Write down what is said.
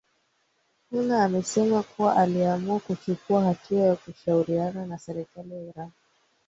hna amesema kuwa aliamua kuchukua hatua ya kushauriana na serikali ya iran